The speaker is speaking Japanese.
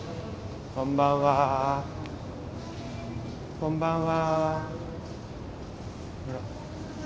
こんばんは。